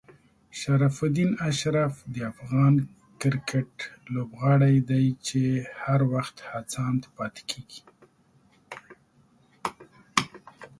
شرف الدین اشرف د افغان کرکټ لوبغاړی دی چې هر وخت هڅاند پاتې کېږي.